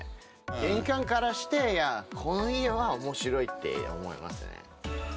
玄関からして、この家はおもしろいって思いますね。